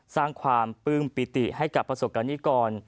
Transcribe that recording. สร้างความปลื้มปิติให้กับประสบกรณิกร